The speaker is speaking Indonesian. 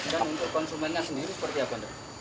untuk konsumennya sendiri seperti apa